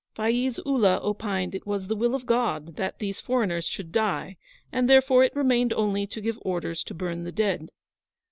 Faiz Ullah opined it was the will of God that these foreigners should die, and therefore it remained only to give orders to burn the dead.